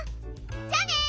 じゃあね！